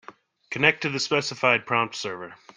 Connect to the specified prompt server.